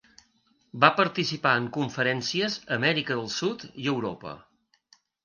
Va participar en conferències a Amèrica del Sud i Europa.